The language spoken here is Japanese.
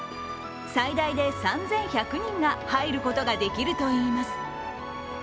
最大で３１００人が入ることができるといいます。